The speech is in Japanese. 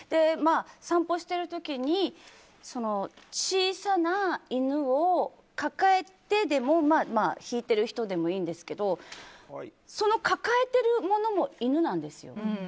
散歩している時に小さな犬を抱えてでも引いている人でもいいんですけどその抱えてるものも犬なんですよ。